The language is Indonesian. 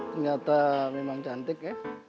ternyata memang cantik